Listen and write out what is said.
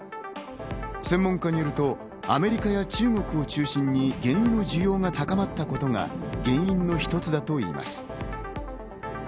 専門家によるとアメリカや中国を中心に原油の需要が高まったことが原因の一つだといいます。